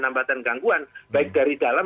hambatan gangguan baik dari dalam